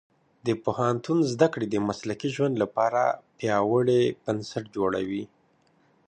د پوهنتون زده کړې د مسلکي ژوند لپاره پیاوړي بنسټ جوړوي.